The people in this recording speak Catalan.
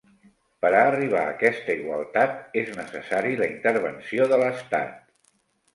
Per a arribar aquesta igualtat és necessari la intervenció de l'Estat.